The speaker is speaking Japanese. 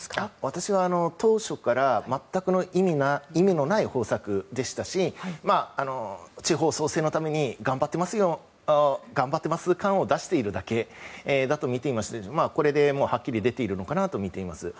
私は、当初から全くの意味のない方策でしたし地方創生のために頑張ってます感を出しているだけだとみていましてこれではっきり出ているのかなとみています。